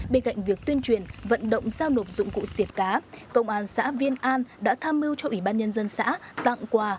bên cạnh việc tuyên truyền vận động giao nộp dụng cụ siệt cá công an xã viên an đã tham mưu cho ủy ban nhân dân xã tặng quà